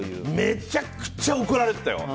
めちゃくちゃ怒られてたよ。